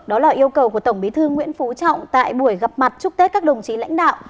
đó là yêu cầu của tổng bí thư nguyễn phú trọng tại buổi gặp mặt chúc tết các đồng chí lãnh đạo